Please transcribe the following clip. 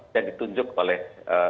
yang ditunjuk oleh